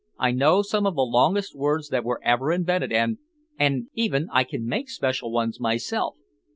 "I know some of the longest words that were ever invented and—and—even I can make special ones myself.